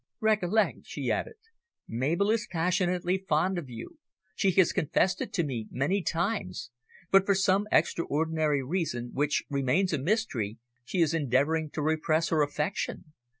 Recollect," she added, "Mabel is passionately fond of you, she has confessed it to me many times, but for some extraordinary reason which remains a mystery, she is endeavouring to repress her affection.